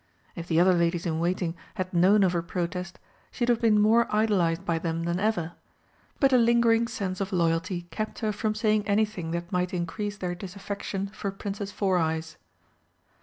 If the other ladies in waiting had known of her protest she would have been more idolised by them than ever, but a lingering sense of loyalty kept her from saying anything that might increase their disaffection for "Princess Four Eyes."